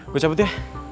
gue cabut ya